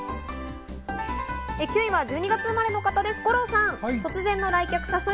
９位は１２月生まれの方です、五郎さん。